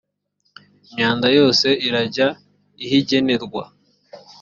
imyanda yose irajya ihijyenerwa.